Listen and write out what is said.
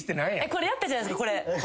これやったじゃないですかこれ。